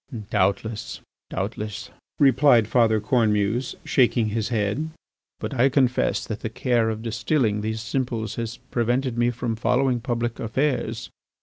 "Doubtless, doubtless," replied Father Cornemuse, shaking his head, "but I confess that the care of distilling these simples has prevented me from following public affairs.